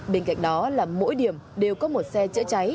bên cạnh đó là mỗi điểm đều có một xe chữa cháy